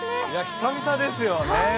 久々ですよね。